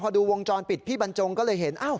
พอดูวงจรปิดพี่บรรจงก็เลยเห็น